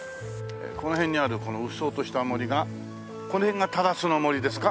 この辺にあるこのうっそうとした森がこの辺が糺の森ですか？